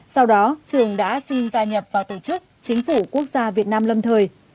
sau đó trường đã xin gia nhập vào tổ chức chính phủ quốc gia việt nam lâm thời